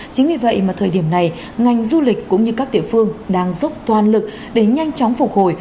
chính vì vậy mà thời điểm này ngành du lịch cũng như các địa phương đang dốc toàn lực để nhanh chóng phục hồi